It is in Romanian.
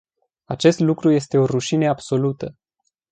Acest lucru este o rușine absolută.